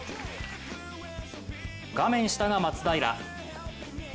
画面下が松平。